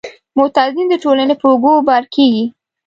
معتادین د ټولنې په اوږو بار کیږي.